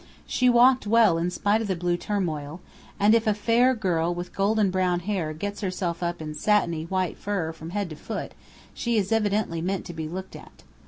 She walked well in spite of the blue turmoil; and if a fair girl with golden brown hair gets herself up in satiny white fur from head to foot she is evidently meant to be looked at.